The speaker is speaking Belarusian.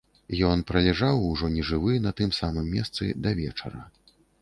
Ён пралежаў, ужо нежывы, на тым самым месцы да вечара.